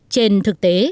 trên thực tế